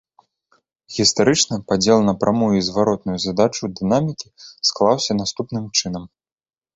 Гістарычна падзел на прамую і зваротную задачу дынамікі склаўся наступным чынам.